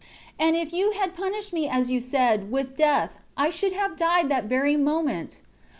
11 And if You had punished me as You said, with death, I should have died that very moment.